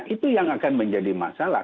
itu yang akan menjadi masalah